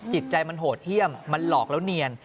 จิตใจมันโหดเยี่ยมมันหลอกแล้วเนียน